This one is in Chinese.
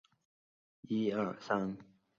古典拉丁语。